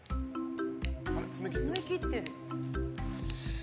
爪切ってる。